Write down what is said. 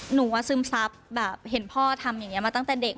หนูว่าซึมซับแบบเห็นพ่อทำอย่างนี้มาตั้งแต่เด็ก